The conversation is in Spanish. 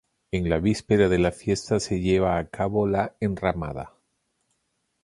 En la víspera de la fiesta se lleva a cabo la enramada.